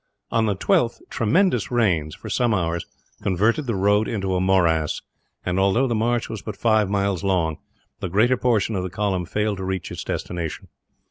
On the 12th tremendous rains, for some hours, converted the road into a morass and, although the march was but five miles long, the greater portion of the column failed to reach its destination.